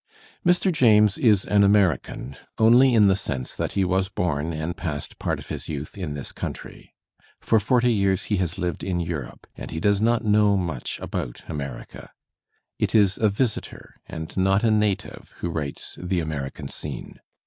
' Mr. James is an American only in the sense that he was bom and passed part of his youth in this country. For forty years he has lived in Europe, and he does not know much about America. It is a visitor and not a native who wiites "The American Scene.'